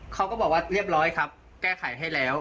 เขาก็บอกว่าเรียบร้อยครับแก้ไขให้แล้ว